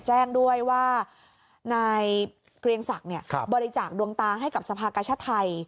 แจ้งด้วยว่านายเกรียงศักดิ์บริจาคดวงตาให้กับสภากชาติไทย